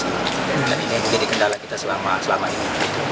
ini menjadi kendala kita selama ini